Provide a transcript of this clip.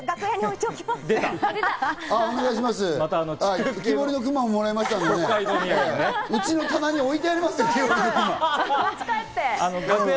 うちの棚に置いてありますよ。